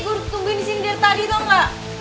gue udah tungguin di sini dari tadi tau gak